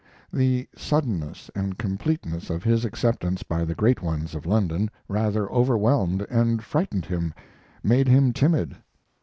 The suddenness and completeness of his acceptance by the great ones of London rather overwhelmed and frightened him made him timid.